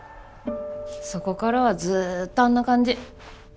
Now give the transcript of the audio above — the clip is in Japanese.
そこからはずっとあんな感じ。